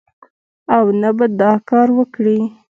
او نه به دا کار وکړي